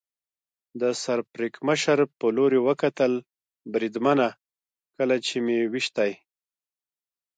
د سر پړکمشر په لور یې وکتل، بریدمنه، کله چې مې وېشتی.